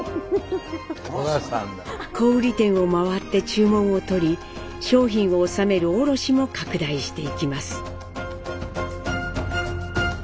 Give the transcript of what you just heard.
小売店を回って注文を取り商品を納める卸も拡大していきます。